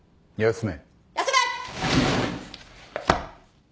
休め。